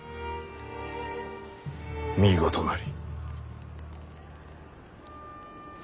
見事なり。